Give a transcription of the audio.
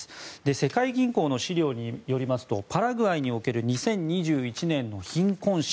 世界銀行の資料によりますとパラグアイにおける２０２１年の貧困者。